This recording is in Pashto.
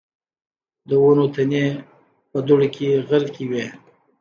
د ونو تنې په دوړو کې غرقي وې.